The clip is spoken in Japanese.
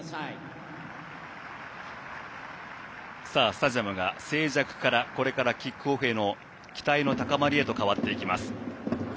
スタジアムが静寂からこれからキックオフへの期待が高まりと変わっていきます。